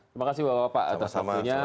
terima kasih bapak bapak atas waktunya